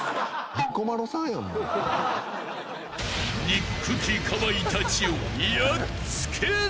［憎きかまいたちをやっつけろ！］